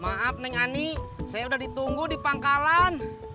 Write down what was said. maaf neng ani saya udah ditunggu di pangkalan